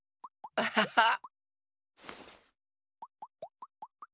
アハハハッ。